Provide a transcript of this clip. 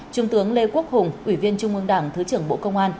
trung tướng lê quốc hùng ủy viên trung ương đảng thứ trưởng bộ công an